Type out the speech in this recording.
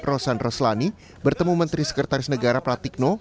rosan raslani bertemu menteri sekretaris negara pratikno